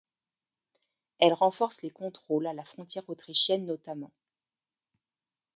Elle renforce les contrôles à la frontière autrichienne notamment.